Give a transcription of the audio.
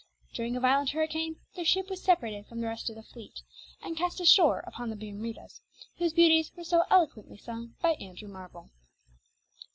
During a violent hurricane, their ship was separated from the rest of the fleet and cast ashore upon the Bermudas, whose beauties were so eloquently sung by Andrew Marvell.